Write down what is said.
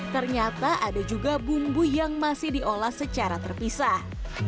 ternyata ada juga bumbu yang masih diolah secara terpisah